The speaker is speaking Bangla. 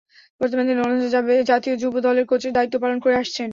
বর্তমানে তিনি ওলন্দাজ জাতীয় যুব দলের কোচের দায়িত্ব পালন করে আসছেন।